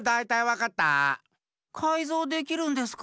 かいぞうできるんですか？